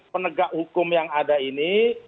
penegak hukum yang ada ini